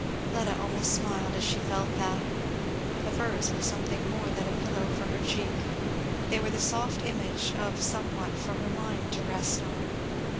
Fleda almost smiled as she felt that. The furs were something more than a pillow for her cheek they were the soft image of somewhat for her mind to rest on.